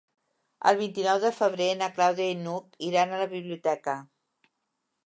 El vint-i-nou de febrer na Clàudia i n'Hug iran a la biblioteca.